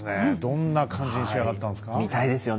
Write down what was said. どんな感じに仕上がったんですか？